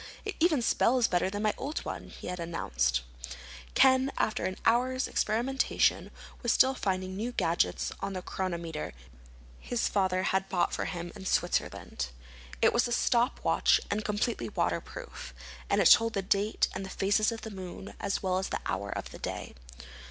"It even spells better than my old one," he had announced. Ken, after an hour's experimentation, was still finding new gadgets on the chronometer his father had bought for him in Switzerland. It was a stop watch and completely waterproof, and it told the date and the phases of the moon as well as the hour of the day.